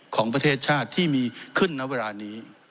ของประเทศชาติที่มีขึ้นณเวลานี้